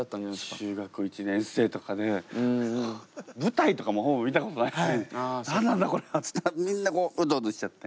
中学１年生とかで舞台とかもほぼ見たことなくて「何なんだこれは」っつってみんなこううとうとしちゃって。